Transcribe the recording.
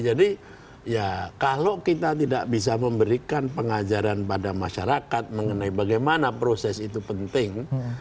jadi kalau kita tidak bisa memberikan pengajaran pada masyarakat mengenai bagaimana proses itu penting